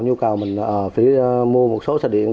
nhu cầu mình phải mua một số xe điện